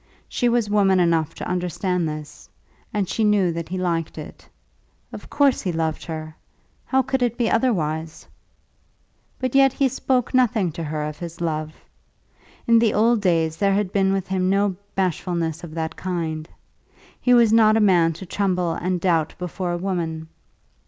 She was woman enough to understand this, and she knew that he liked it. Of course he loved her. How could it be otherwise? But yet he spoke nothing to her of his love. In the old days there had been with him no bashfulness of that kind. He was not a man to tremble and doubt before a woman.